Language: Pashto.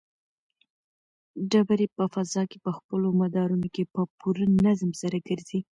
ډبرې په فضا کې په خپلو مدارونو کې په پوره نظم سره ګرځي.